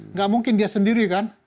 nggak mungkin dia sendiri kan